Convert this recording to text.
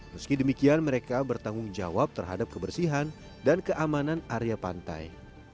meski demikian mereka bertanggung jawab terhadap kebersihan dan keamanan area pantai